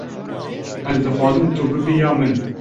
Ez dixwazim tu bibî ya min.